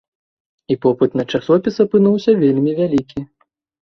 І попыт на часопіс апынуўся вельмі вялікі.